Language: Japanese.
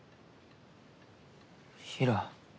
平良。